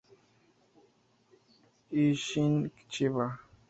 Isshin Chiba